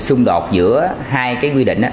xung đột giữa hai cái quy định đó